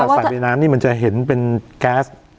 ใส่ในน้ำนี่มันจะเห็นเป็นแก๊ส